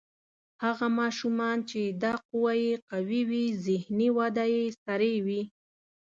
هغه ماشومان چې دا قوه یې قوي وي ذهني وده یې سریع وي.